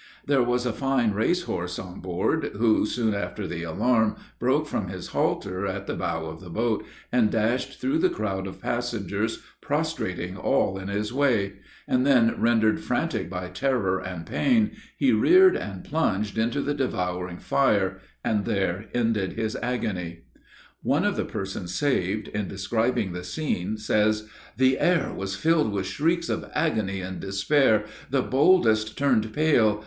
There was a fine race horse on board, who, soon after the alarm, broke from his halter at the bow of the boat, and dashed through the crowd of passengers, prostrating all in his way; and then, rendered frantic by terror and pain, he reared and plunged into the devouring fire, and there ended his agony. One of the persons saved, in describing the scene, says: "The air was filled with shrieks of agony and despair. The boldest turned pale.